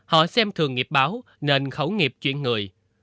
họ xem thường nghiệp báo nên khẩu nghiệp chuyện người